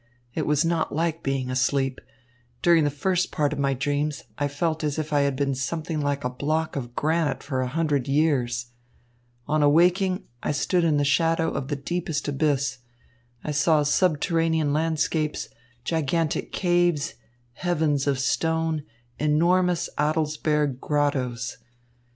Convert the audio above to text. "It was not like being asleep. During the first part of my dreams, I felt as if I had been something like a block of granite for hundreds of years. On awaking I stood in the shadow of the deepest abyss. I saw subterranean landscapes, gigantic caves, heavens of stone, enormous Adelsberg grottoes.